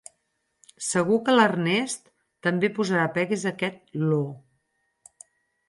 Segur que l'Ernest també posarà pegues a aquest “lo”.